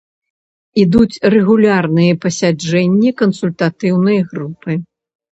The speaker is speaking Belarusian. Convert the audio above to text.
Ідуць рэгулярныя пасяджэнні кансультатыўнай групы.